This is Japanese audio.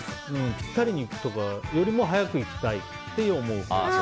ぴったりに行くとかよりも早く行きたいって思う。